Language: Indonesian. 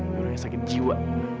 dia orangnya sakit jiwa